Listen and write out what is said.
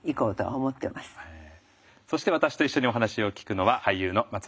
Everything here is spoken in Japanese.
そして私と一緒にお話を聞くのは俳優の松村雄基さんです。